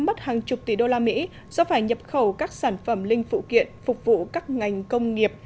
mất hàng chục tỷ đô la mỹ do phải nhập khẩu các sản phẩm linh phụ kiện phục vụ các ngành công nghiệp